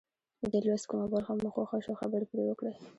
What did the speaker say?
د دې لوست کومه برخه مو خوښه شوه خبرې پرې وکړئ.